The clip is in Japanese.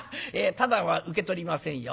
タダは受け取りませんよ。